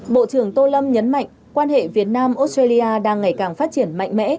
bộ trưởng tô lâm nhấn mạnh quan hệ việt nam australia đang ngày càng phát triển mạnh mẽ